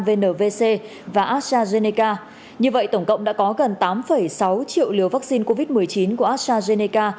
vnvc và astrazeneca như vậy tổng cộng đã có gần tám sáu triệu liều vaccine covid một mươi chín của astrazeneca